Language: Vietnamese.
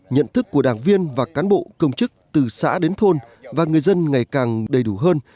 nhận thức của đảng viên và cán bộ công chức từ xã đến thôn và người dân ngày càng đầy đủ hơn